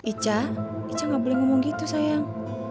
ica ica tidak boleh berkata begitu sayang